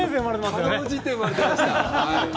かろうじて生まれてました。